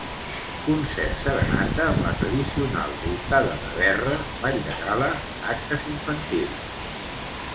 Concert, serenata amb la tradicional "voltada de verra", ball de gala, actes infantils...